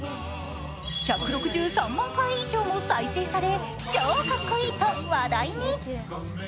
１６３万回以上も再生され、超かっこいいと話題に。